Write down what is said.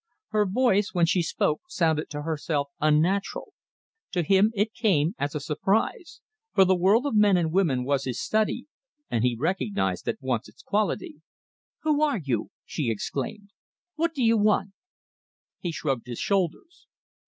Her voice, when she spoke, sounded to herself unnatural. To him it came as a surprise, for the world of men and women was his study, and he recognized at once its quality. "Who are you?" she exclaimed. "What do you want?" He shrugged his shoulders.